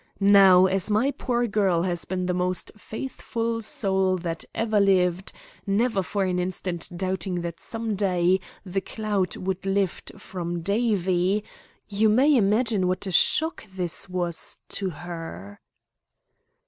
Now, as my poor girl has been the most faithful soul that ever lived, never for an instant doubting that some day the cloud would lift from Davie, you may imagine what a shock this was to her."